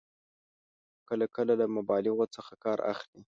کله کله له مبالغو څخه کار اخلي.